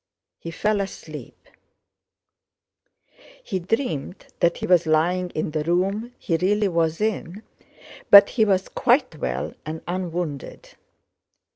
He fell asleep. He dreamed that he was lying in the room he really was in, but that he was quite well and unwounded.